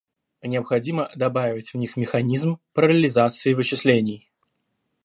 Необходимо добавить в них механизм параллелизации вычислений